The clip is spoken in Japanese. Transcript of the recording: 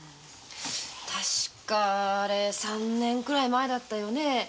確か三年ぐらい前だったよね。